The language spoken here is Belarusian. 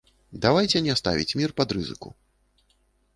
Давайце не ставіць мір пад рызыку.